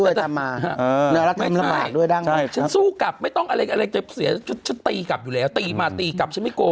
ฉันสู้กลับไม่ต้องอะไรเจ็บเสียฉันตีกลับอยู่แล้วตีมาตีกลับฉันไม่โกรธ